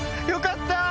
よかった！